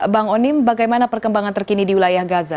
bang onim bagaimana perkembangan terkini di wilayah gaza